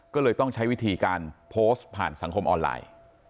ก็เลยต้องใช้วิธีการโพสต์ผ่านสังคมออนไลน์